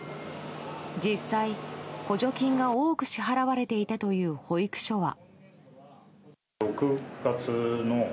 実際、補助金が多く支払われていたという保育所は。